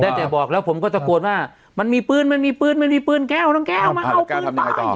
แล้วแต่บอกแล้วผมก็ตะโกนว่ามันมีปืนมันมีปืนมันมีปืนแก้วน้องแก้วเอามาเอาปืนไปต่อ